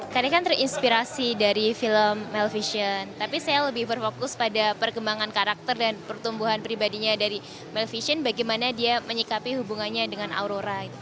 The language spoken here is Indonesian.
karena kan terinspirasi dari film maleficent tapi saya lebih berfokus pada perkembangan karakter dan pertumbuhan pribadinya dari maleficent bagaimana dia menyikapi hubungannya dengan aurora